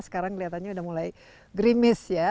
sekarang kelihatannya sudah mulai grimis ya